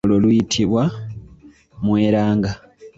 Olwo luyitibwa mweranga.